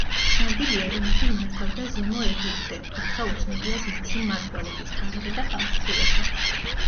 ცნობილია, რომ იგი მართავდა ზემო ეგვიპტე, თუმცა უცნობია მისი მმართველობის თარიღი და ხანგრძლივობა.